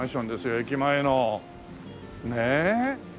駅前のねえ。